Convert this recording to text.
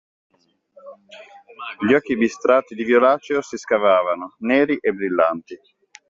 Gli occhi bistrati di violaceo si scavavano, neri e brillanti